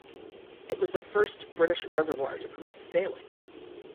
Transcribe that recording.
It was the first British reservoir to permit sailing.